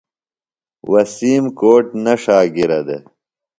وسیم کوٹ نہ ݜا گِرہ دےۡ۔